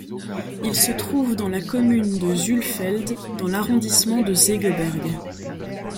Il se trouve dans la commune de Sülfeld dans l'arrondissement de Segeberg.